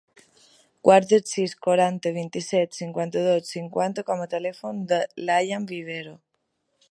Guarda el sis, quaranta, vint-i-set, cinquanta-dos, cinquanta com a telèfon del Lian Vivero.